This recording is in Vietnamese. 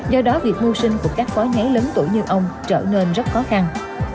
do đó việc mua sinh của các phó nháy lớn tuổi như ông trở nên rất khó khăn